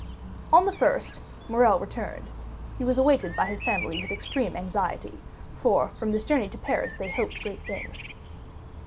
On the 1st, Morrel returned; he was awaited by his family with extreme anxiety, for from this journey to Paris they hoped great things.